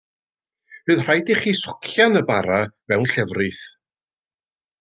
Bydd rhaid i chi socian y bara mewn llefrith.